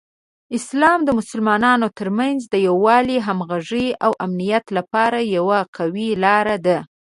اسلام د مسلمانانو ترمنځ د یووالي، همغږۍ، او امنیت لپاره یوه قوي لاره ده.